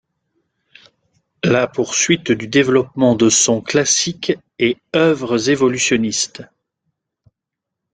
La poursuite du développement de son classique et œuvres évolutionniste.